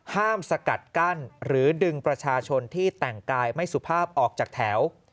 สกัดกั้นหรือดึงประชาชนที่แต่งกายไม่สุภาพออกจากแถว